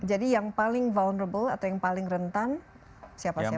jadi yang paling vulnerable atau yang paling rentan siapa siapa saja